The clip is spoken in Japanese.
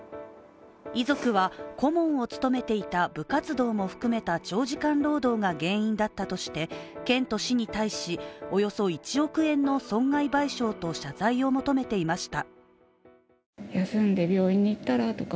遺族は顧問を務めていた部活動も含めた長時間労働が原因だったとして県と市に対しおよそ１億円の損害賠償と謝罪を求めていました。